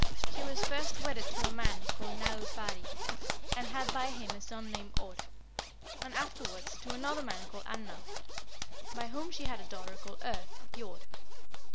She was first wedded to a man called Naglfari, and had by him a son named Aud, and afterwards to another man called Annar, by whom she had a daughter called Earth (Jord).